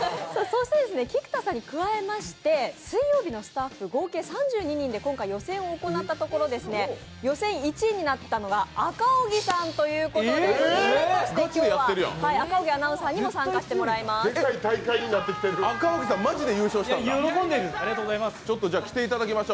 そして菊田さんに加えまして水曜日のスタッフ合計３２人で今回予選を行ったところ、予選１位になったのが赤荻さんということで、今日は赤荻アナウンサーにも参加していただきます。